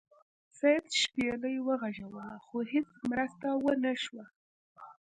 سید شپیلۍ وغږوله خو هیڅ مرسته ونه شوه.